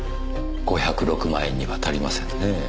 ５０６万円には足りませんねぇ。